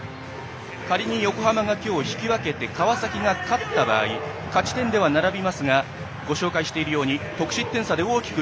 仮に横浜が引き分けて川崎が勝った場合勝ち点では並びますがご紹介しているように得失点差で大きく